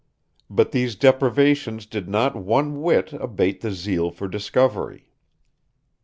But these deprivations did not one whit abate the zeal for discovery.